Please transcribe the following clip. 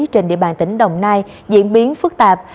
trên địa bàn tỉnh đồng nai diễn biến phức tạp